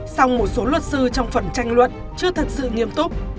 song một số luật sư trong phần tranh luận chưa thật sự nghiêm túc